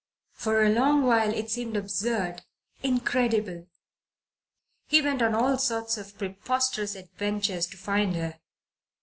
For a long while it seemed absurd, incredible. He went on all sorts of preposterous adventures to find her.